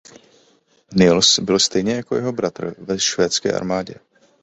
Nils byl stejně jako jeho bratr ve švédské armádě.